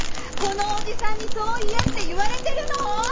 このおじさんにそう言えって言われてるの！？